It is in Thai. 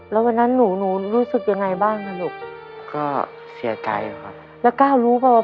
แล้ววันนั้นหนูหนูรู้สึกยังไงบ้างคะลูกก็เสียใจครับแล้วก้าวรู้เปล่า